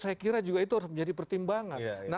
saya kira juga itu harus menjadi pertimbangan